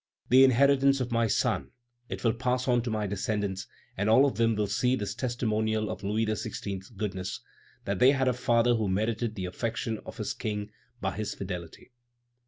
The inheritance of my son, it will pass on to my descendants, and all of them will see in this testimonial of Louis XVI.'s goodness, that they had a father who merited the affection of his King by his fidelity."